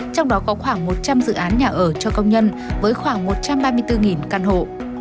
trong đó có khoảng một trăm linh dự án nhà ở cho công nhân với khoảng một trăm ba mươi bốn căn hộ